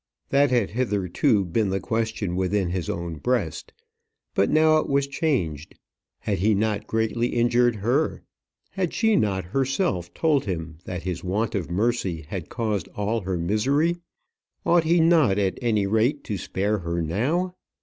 That had hitherto been the question within his own breast; but now it was changed. Had he not greatly injured her? Had she not herself told him that his want of mercy had caused all her misery? Ought he not, at any rate, to spare her now?